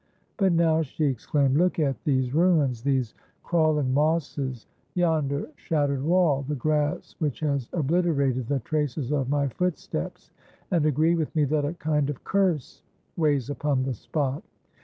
"But now," she exclaimed, "look at these ruins, these crawling mosses; yonder shattered wall, the grass which has obliterated the traces of my footsteps, and agree with me that a kind of curse weighs upon the spot.